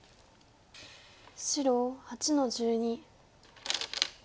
白８の十二。